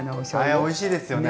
あれおいしいですよね